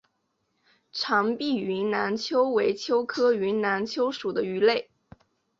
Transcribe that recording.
长臀云南鳅为鳅科云南鳅属的鱼类。